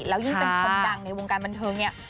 แล้วยิ่งเป็นคนดังในวงการบันเทิงเนี่ย